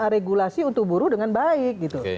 regulasi untuk buruh dengan baik gitu